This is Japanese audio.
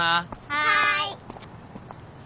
はい。